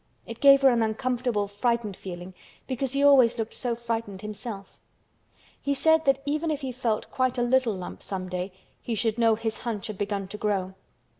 It gave her an uncomfortable frightened feeling because he always looked so frightened himself. He said that if he felt even quite a little lump some day he should know his hunch had begun to grow.